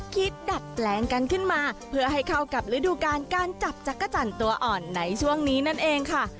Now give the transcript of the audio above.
ดัดแปลงกันขึ้นมาเพื่อให้เข้ากับฤดูการการจับจักรจันทร์ตัวอ่อนในช่วงนี้นั่นเองค่ะ